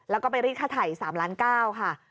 แล้วก็ไปรีดค่าถ่าย๓ล้านเก้าค่ะ